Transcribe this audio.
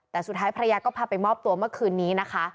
แต่สุดท้ายภรรยาก็พาไปมอบตัวเมื่อคืนนี้นะคะ